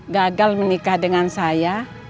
gagal menikah dengan saya